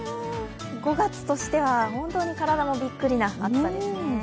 ５月としては、本当に体もびっくりなさですね。